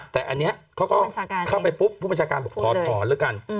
แต่อันนี้เขาก็เข้าไปปุ๊บผู้บัญชาการบอกขอถอนแล้วกัน